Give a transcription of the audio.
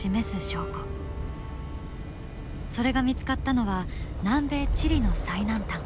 それが見つかったのは南米チリの最南端